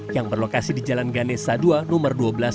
yang berlokasi di jalan ganesa dua nomor dua belas